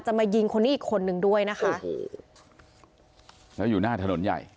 มายิงคนนี้อีกคนนึงด้วยนะคะโอ้โหแล้วอยู่หน้าถนนใหญ่